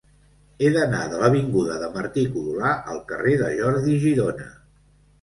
He d'anar de l'avinguda de Martí-Codolar al carrer de Jordi Girona.